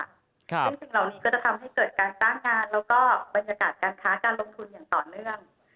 ซึ่งสิ่งเหล่านี้ก็จะทำให้เกิดการจ้างงานแล้วก็บรรยากาศการค้าการลงทุนอย่างต่อเนื่อง